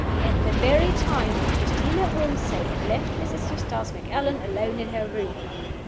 At the very time when Christina Ormsay had left Mrs. Eustace Macallan alone in her room!